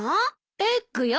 エッグよ。